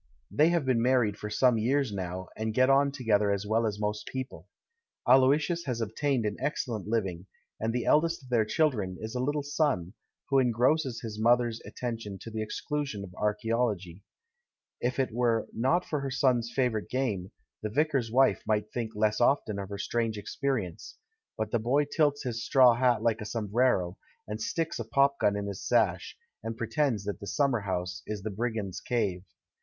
They have been married for some years now, and get on together as well as most people. Aloysius has obtained an excellent hving, and the eldest of their children is a little son, who en grosses his mother's attention to the exclusion of archaeology. If it were not for her son's favour THE CHILD IN THE GARDEN 179 ite game, the vicar's wife might think less often of her strange experience; but the boy tilts his straw hat like a sombrero, and sticks a pop gun in his sash, and pretends that the summer house is the "brigands' cave."